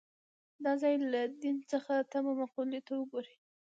دا ځای چې له دین څخه تمه مقولې ته وګوري.